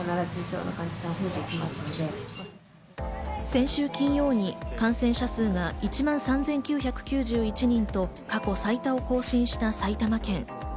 先週金曜に感染者数が１万３９９１人と過去最多を更新した埼玉県。